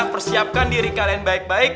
persiapkan diri kalian baik baik